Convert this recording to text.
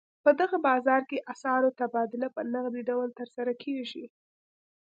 په دغه بازار کې اسعارو تبادله په نغدي ډول ترسره کېږي.